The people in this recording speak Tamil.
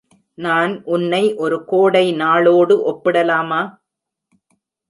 நான் உன்னை ஒரு கோடை நாளோடு ஒப்பிடலாமா?